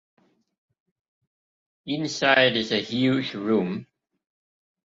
Inside is a huge room.